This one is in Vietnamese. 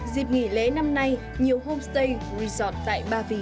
dịp nghỉ lễ năm nay nhiều homestay resort tại ba vì